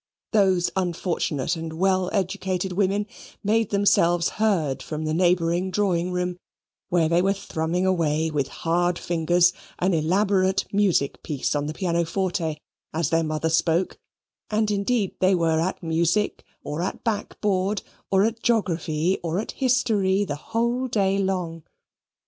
Those unfortunate and well educated women made themselves heard from the neighbouring drawing room, where they were thrumming away, with hard fingers, an elaborate music piece on the piano forte, as their mother spoke; and indeed, they were at music, or at backboard, or at geography, or at history, the whole day long.